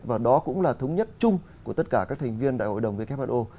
và đó cũng là thống nhất chung của tất cả các thành viên đại hội đồng who